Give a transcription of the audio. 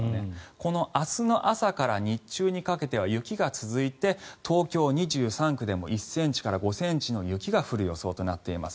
この明日の朝から日中にかけては雪が続いて東京２３区でも１ｃｍから５ｃｍの雪が降る予想となっています。